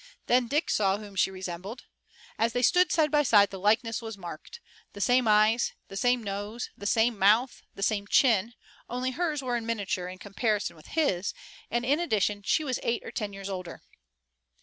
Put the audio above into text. Then Dick saw whom she resembled. As they stood side by side the likeness was marked, the same eyes, the same nose, the same mouth, the same chin, only hers were in miniature, in comparison with his, and in addition she was eight or ten years older.